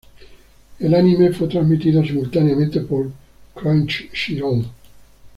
El anime fue transmitido simultáneamente por Crunchyroll.